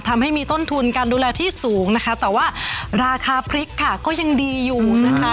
ทำให้มีต้นทุนการดูแลที่สูงนะคะแต่ว่าราคาพริกค่ะก็ยังดีอยู่นะคะ